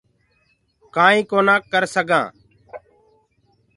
ڪآئينٚ ڪونآ ڪرسگآنٚ